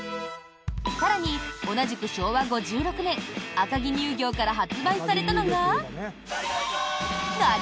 更に、同じく昭和５６年赤城乳業から発売されたのが。